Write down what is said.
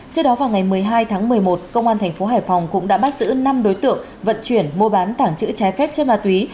trước đó vào ngày một mươi hai tháng một mươi một công an thành phố hải phòng cũng đã bắt giữ năm đối tượng vận chuyển mua bán tảng chữ trái phép trên ma túy